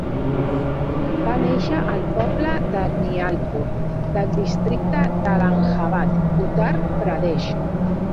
Va néixer al poble de Nihalpur del districte d'Allahabad, Uttar Pradesh.